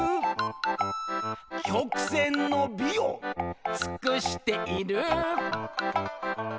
「曲線の美を尽している」